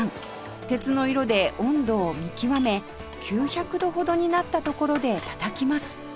鉄の色で温度を見極め９００度ほどになったところでたたきます